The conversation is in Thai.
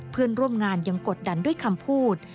เพื่อนร่วมงานยังกดดันด้วยคำพูด